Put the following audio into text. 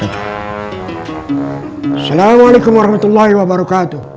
assalamualaikum warahmatullahi wabarakatuh